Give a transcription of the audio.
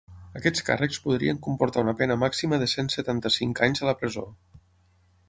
Aquests càrrecs podrien comportar una pena màxima de cent setanta-cinc anys a la presó.